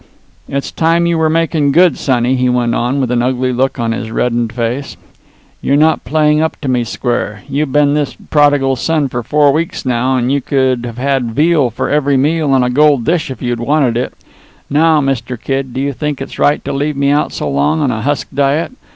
"It's time you were making good, sonny," he went on, with an ugly look on his reddened face. "You're not playing up to me square. You've been the prodigal son for four weeks now, and you could have had veal for every meal on a gold dish if you'd wanted it. Now, Mr. Kid, do you think it's right to leave me out so long on a husk diet?